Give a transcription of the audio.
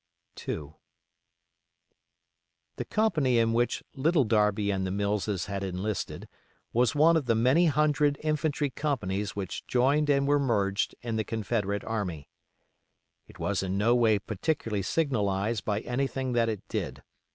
II The company in which Little Darby and the Millses had enlisted was one of the many hundred infantry companies which joined and were merged in the Confederate army. It was in no way particularly signalized by anything that it did.